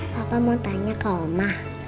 papa mau tanya ke omah